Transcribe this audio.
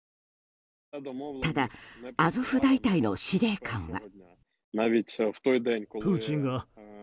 ただ、アゾフ大隊の司令官は。